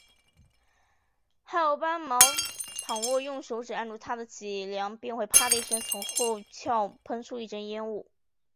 还有斑蝥，倘若用手指按住它的脊梁，便会啪的一声，从后窍喷出一阵烟雾